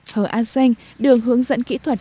hờ a xanh được hướng dẫn kỹ thuật